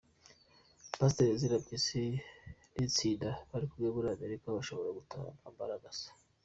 Pasiteri Ezira Mpyisi n’itsinda barikumwe muri Amerika bashobora gutaha amara masa